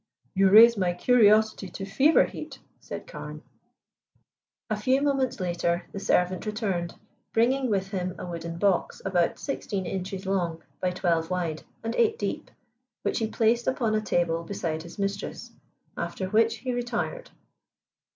"You raise my curiosity to fever heat," said Carne. A few moments later the servant returned, bringing with him a wooden box, about sixteen inches long, by twelve wide, and eight deep, which he placed upon a table beside his mistress, after which he retired.